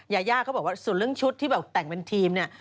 ยายาเขาบอกว่าส่วนเรื่องชุดที่แบบแต่งเป็นทีมเนี่ย